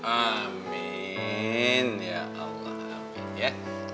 amin ya allah amin ya